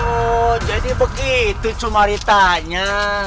oh jadi begitu cuma ditanya